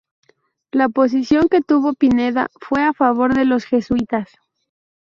La posición que tuvo Pineda fue a favor de los jesuitas.